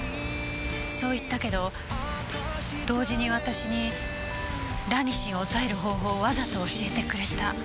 そう言ったけど同時に私にラニシンを抑える方法をわざと教えてくれた。